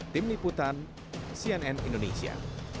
tim liputan cnn indonesia